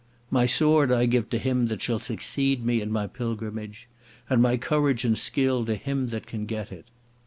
My sword I give to him that shall succeed me in my pilgrimage, and my courage and skill to him that can get it.